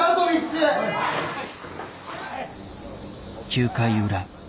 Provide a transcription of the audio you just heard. ９回裏。